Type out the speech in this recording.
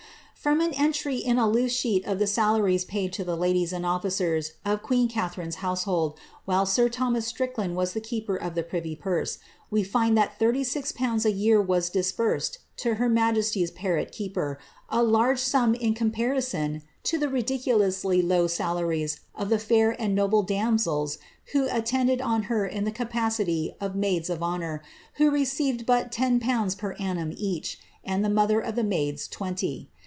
*^ n an entry in a loose sheet of the salaries paid to the ladies and I of queen Catharine^s household, while sir Thomas Strickland e keeper of the priry purse,' we find that thirty six pounds a year sbursed to her niajesty^s parrot keeper, a large sum in comparison ridiculously low salaries of the &ir and noble damsels who id on her in the capacity of maids of honour, who received but mds per annum each, and the mother of the maids twenty.